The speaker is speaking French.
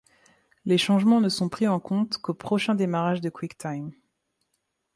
Les changements ne sont pris en compte qu'au prochain démarrage de QuickTime.